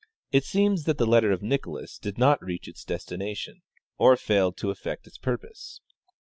It seems that the letter of Nicolas did not reach its destination, or failed to effect its purpose.